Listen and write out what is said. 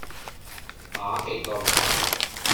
馬其頓